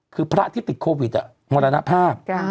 คือพระที่ติดโควิดมรณภาพ